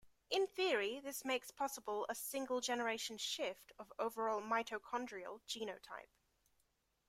In theory, this makes possible a single-generation shift of overall mitochondrial genotype.